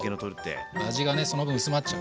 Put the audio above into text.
味がねその分薄まっちゃうから。